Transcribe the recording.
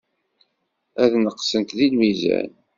Ad neqsent deg lmizan.